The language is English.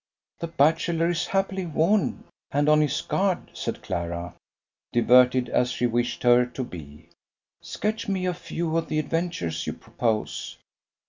"The bachelor is happily warned and on his guard," said Clara, diverted, as he wished her to be. "Sketch me a few of the adventures you propose."